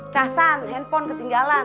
casan handphone ketinggalan